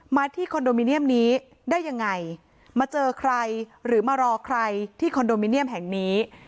ที่คอนโดมิเนียมนี้ได้ยังไงมาเจอใครหรือมารอใครที่คอนโดมิเนียมแห่งนี้